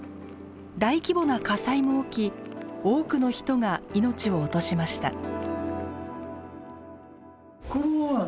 大規模な火災も起き多くの人が命を落としました。